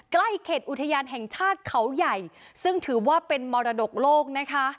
เขตอุทยานแห่งชาติเขาใหญ่ซึ่งถือว่าเป็นมรดกโลกนะคะ